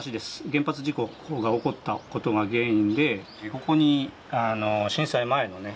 原発事故が起こったことが原因でここに震災前のね